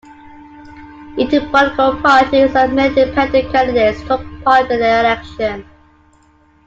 Eighteen political parties and many independent candidates took part in the election.